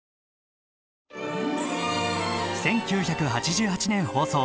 １９８８年放送。